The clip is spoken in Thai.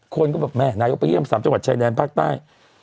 คนก็แบบแม่นายกไปเยี่ยม๓จังหวัดชายแดนภาคใต้